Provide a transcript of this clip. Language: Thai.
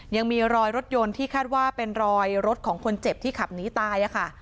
ยังมีรอยรถยนต์ที่คาดว่าเป็นรอยรถของคนเจ็บที่ขับหนีตายค่ะ